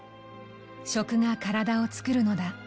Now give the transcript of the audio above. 食が体を作るのだ。